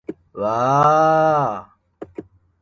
わあああああああ